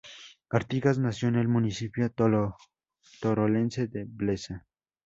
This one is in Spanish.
Artigas nació en el municipio turolense de Blesa.